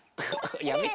やめて。